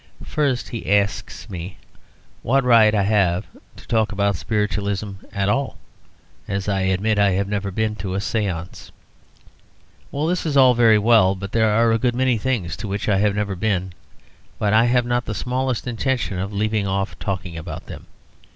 First, he asks me what right I have to talk about Spiritualism at all, as I admit I have never been to a séance. This is all very well, but there are a good many things to which I have never been, but I have not the smallest intention of leaving off talking about them.